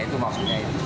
itu maksudnya itu